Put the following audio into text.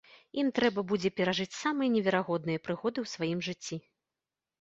Ім трэба будзе перажыць самыя неверагодныя прыгоды ў сваім жыцці.